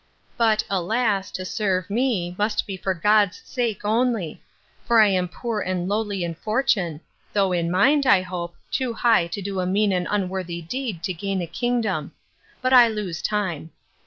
But, alas! to serve me, must be for God's sake only; for I am poor and lowly in fortune; though in mind, I hope, too high to do a mean or unworthy deed to gain a kingdom. But I lose time.